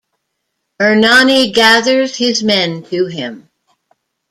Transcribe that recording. Ernani gathers his men to him.